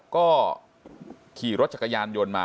ขอบคุณค่ะ